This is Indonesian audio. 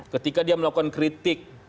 ketika dia melakukan kritik